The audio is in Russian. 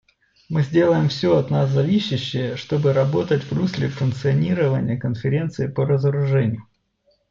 Мы сделаем все от нас зависящее, чтобы работать в русле функционирования Конференции по разоружению.